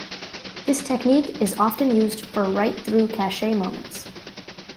This technique is often used for write-through cache memories.